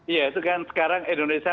iya itu kan sekarang indonesia